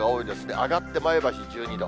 上がって前橋１２度。